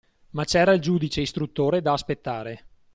Ma c'era il giudice istruttore da aspettare.